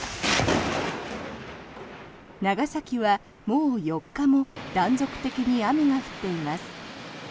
長崎は、もう４日も断続的に雨が降っています。